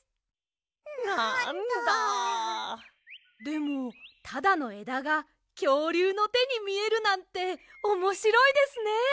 でもただのえだがきょうりゅうのてにみえるなんておもしろいですね。